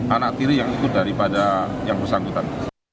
anak tiri yang ikut daripada yang bersangkutan